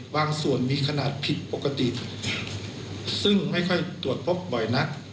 บางส่วนมีขนาดผิดปกติซึ่งไม่ค่อยตรวจพบบ่อยนัก